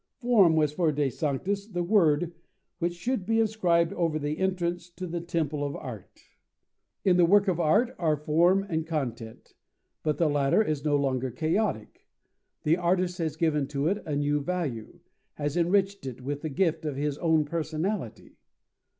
Form was for De Sanctis the word which should be inscribed over the entrance to the Temple of Art. In the work of art are form and content, but the latter is no longer chaotic: the artist has given to it a new value, has enriched it with the gift of his own personality.